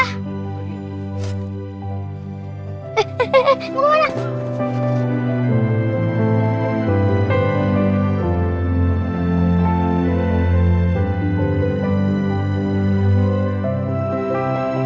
eh mau kemana